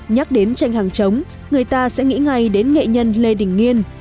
nhắc đến tranh hàng chống người ta sẽ nghĩ ngay đến nghệ nhân lê đình nghiên